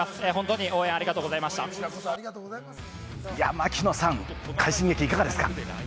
槙野さん、快進撃、いかがですか？